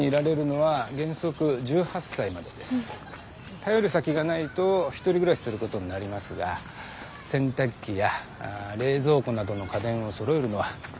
頼る先がないと１人暮らしすることになりますが洗濯機や冷蔵庫などの家電をそろえるのはとても大変なんです。